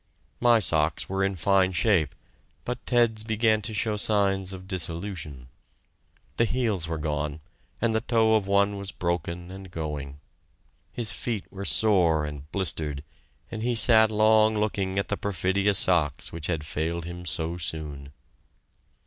My socks were in fine shape, but Ted's began to show signs of dissolution. The heels were gone, and the toe of one was broken and going. His feet were sore and blistered, and he sat long looking at the perfidious socks which had failed him so soon.